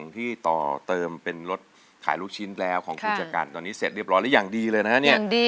ที่ต่อเติมเป็นรถขายลูกชิ้นแล้วของคุณชะกันตอนนี้เสร็จเรียบร้อยแล้วอย่างดีเลยนะฮะเนี่ย